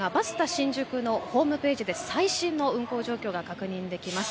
新宿のホームページで最新の運行状況が確認できます。